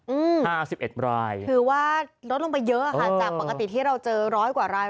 อืมห้าสิบเอ็ดรายถือว่าลดลงไปเยอะอ่ะค่ะจากปกติที่เราเจอร้อยกว่าราย